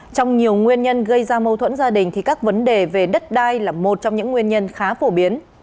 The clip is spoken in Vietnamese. trong nhiều nguyên nhân gây ra mâu thuẫn gia đình thì các vấn đề về đất đai là một trong những nguyên nhân khá phổ biến